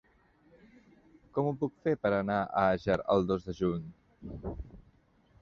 Com ho puc fer per anar a Àger el dos de juny?